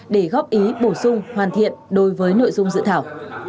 để góp ý bổ sung hoàn thiện đối với nội dung dự thảo